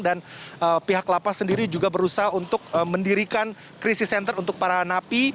dan pihak lapas sendiri juga berusaha untuk mendirikan krisis center untuk para napi